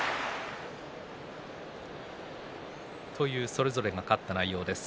それぞれが勝った内容です。